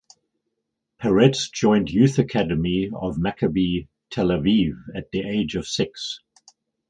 Peretz joined youth academy of Maccabi Tel Aviv at the age of six.